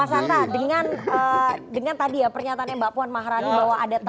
mas santa dengan tadi ya pernyataannya mbak puan maharani bahwa ada temuan